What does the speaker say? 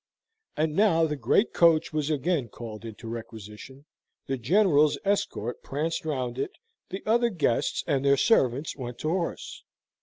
And now the great coach was again called into requisition, the General's escort pranced round it, the other guests and their servants went to horse.